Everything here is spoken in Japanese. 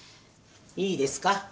いいですか？